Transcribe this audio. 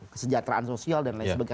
kesejahteraan sosial dan lain sebagainya